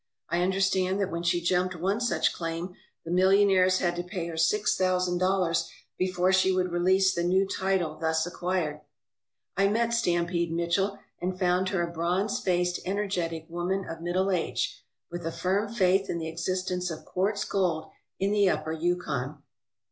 I understand that when she jumped one such claim the millionaires had to pay her six thousand dollars before she would release the new title thus acquired. I met "Stampede" Mitchell and found her a bronze faced, energetic woman of middle age, with a firm faith in the existence of quartz gold in the upper Yukon.